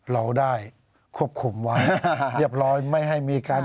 เราได้ควบคุมไว้เรียบร้อยไม่ให้มีการ